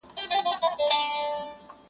کار و بار وي د غزلو کښت و کار وي د غزلو,